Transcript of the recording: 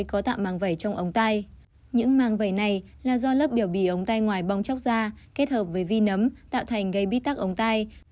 các biểu bì ống tay ngoài bong chóc da kết hợp với vi nấm tạo thành gây bít tắc ống tay